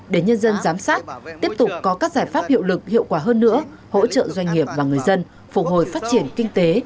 để nhân dân giám sát tiếp tục có các giải pháp hiệu lực hiệu quả hơn nữa hỗ trợ doanh nghiệp và người dân phục hồi phát triển kinh tế